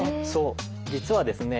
実はですね